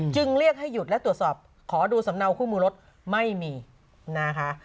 จึงเรียกให้หยุดและตรวจสอบขอดูสำเนาคู่มือรถไม่มีนะคะ